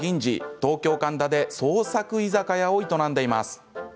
東京の神田で創作居酒屋を営んでいます。